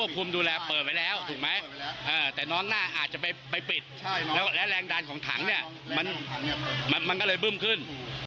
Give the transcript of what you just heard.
ก็เลยบึมขึ้น